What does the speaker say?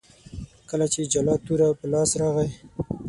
کله چې جلات توره په لاس راغی.